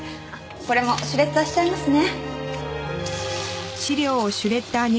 これもシュレッダーしちゃいますね。